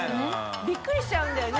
びっくりしちゃうんだよね。